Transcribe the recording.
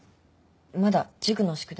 まだ塾の宿題